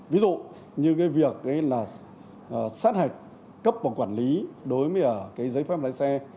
ví dụ như việc xét hạch cấp và quản lý đối với giấy phép lái xe